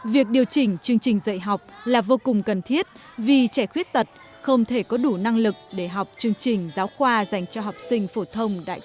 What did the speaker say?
việc điều chỉnh chương trình dạy học là vô cùng cần thiết vì trẻ khuyết tật không thể có đủ năng lực để học chương trình giáo khoa dành cho học sinh phổ thông đại chúng